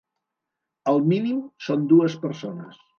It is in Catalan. El mínim són dues persones.